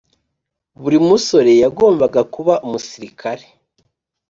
Buri musore yagombaga kuba umusirikare